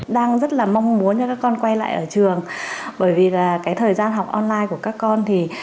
đang rất là mong muốn cho các con quay lại ở trường bởi vì là cái thời gian học online của các con thì